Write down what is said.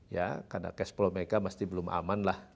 ya karena cash flow mereka pasti belum aman lah